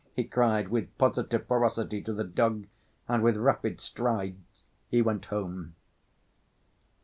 he cried with positive ferocity to the dog, and with rapid strides he went home.